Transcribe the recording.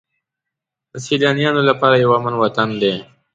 د سیلانیانو لپاره یو امن وطن دی.